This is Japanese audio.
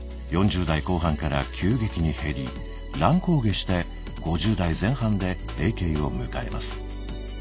４０代後半から急激に減り乱高下して５０代前半で「閉経」を迎えます。